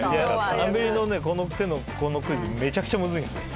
『アンビリ』のこの手のクイズめちゃくちゃむずいんですよ。